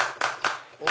お！